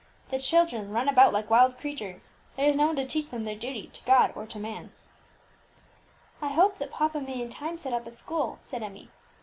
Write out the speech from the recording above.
The children run about like wild creatures; there is no one to teach them their duty to God or to man." "I hope that papa may in time set up a school," said Emmie.